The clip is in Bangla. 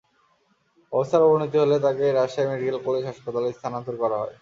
অবস্থার অবনতি হলে তাঁকে রাজশাহী মেডিকেল কলেজ হাসপাতালে স্থানান্তর করা হয়।